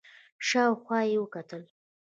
شاو خوا يې وکتل.